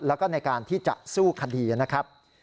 แล้วก็ในการที่จะสู้คดีนะครับ